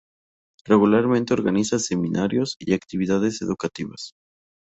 Regularmente organiza seminarios y actividades educativas.